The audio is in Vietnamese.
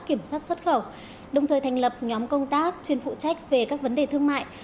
kiểm soát xuất khẩu đồng thời thành lập nhóm công tác chuyên phụ trách về các vấn đề thương mại